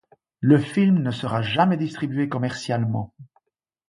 Le film ne sera jamais distribué commercialement.